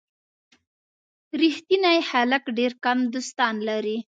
ریښتیني خلک ډېر کم دوستان لري.